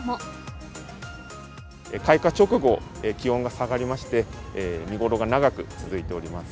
開花直後、気温が下がりまして、見頃が長く続いております。